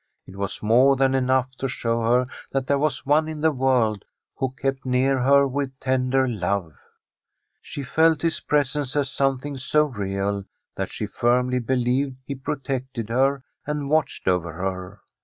It was more than enough to show her that there was one in the world who kept near her with tender love. 166] The STORY of a COUNTRY HOUSE She felt his presence as something so real, that she firmly believed he protected her and watched over her.